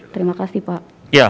terima kasih pak